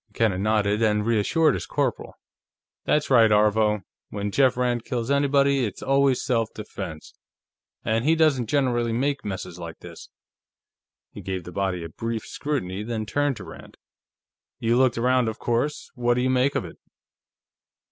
McKenna nodded and reassured his corporal. "That's right, Aarvo; when Jeff Rand kills anybody, it's always self defense. And he doesn't generally make messes like this." He gave the body a brief scrutiny, then turned to Rand. "You looked around, of course; what do you make of it?"